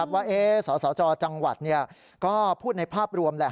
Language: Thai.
ว่าสสจจังหวัดก็พูดในภาพรวมแหละ